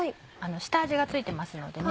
下味が付いてますのでね